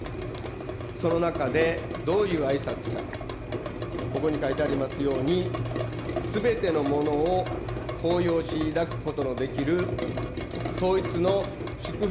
その中でどういうあいさつか、ここに書いてありますように、すべてのものを包容し、抱くことのできる統一の祝福